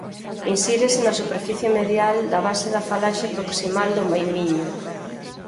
Insírese na superficie medial da base da falanxe proximal do maimiño.